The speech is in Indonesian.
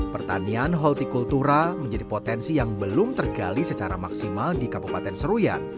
pertanian holti kultura menjadi potensi yang belum tergali secara maksimal di kabupaten seruyan